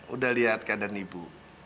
sudah lihat keadaan ibu